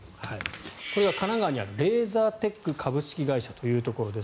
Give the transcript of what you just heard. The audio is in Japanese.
これは神奈川にあるレーザーテック株式会社というところです。